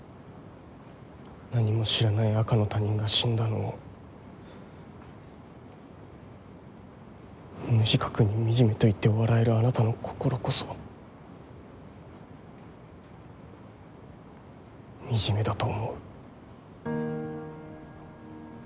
何も知らない赤の他人が死んだのを無自覚に惨めと言って笑えるあなたの心こそ惨めだと思う。